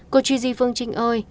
cô gigi phương trinh ơi